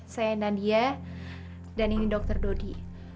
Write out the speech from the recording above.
saya nadia dan ini dr dodi